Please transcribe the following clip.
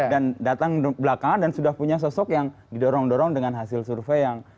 dan datang belakangan dan sudah punya sosok yang didorong dorong dengan hasil survei yang